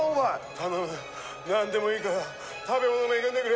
頼むなんでもいいから食べ物恵んでくれ。